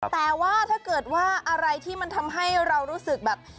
แต่ว่าถ้าเกิดว่าอะไรที่มันทำให้เรารู้สึกแบบ